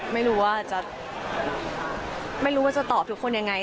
ไม่รู้ว่าจะตอบทุกคนยังไง